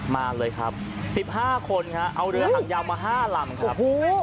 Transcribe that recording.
มาเลยครับ๑๕คนครับเอาเรือหางยาวมา๕ลำครับ